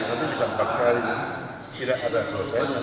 nanti bisa empat kali tidak ada selesainya